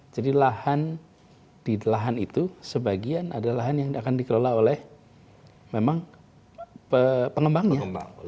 jadi lahan itu sebagian adalah lahan yang akan dikelola oleh memang pengembangnya